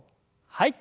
はい。